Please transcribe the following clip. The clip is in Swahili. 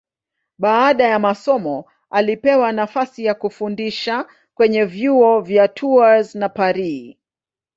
Baada ya masomo alipewa nafasi ya kufundisha kwenye vyuo vya Tours na Paris.